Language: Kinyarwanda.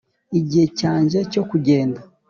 igihe cyanjye cyo kugenda.